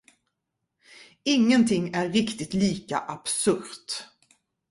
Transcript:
Ingenting är riktigt lika absurt.